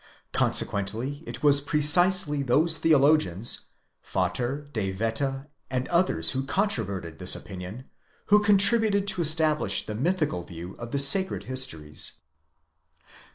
Consequently it was precisely those theologians, Vater, De Wette and others who controverted this opinion, who contributed to establish the mythical view of the sacred histories.